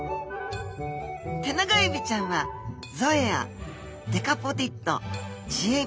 テナガエビちゃんはゾエアデカポディッド稚エビ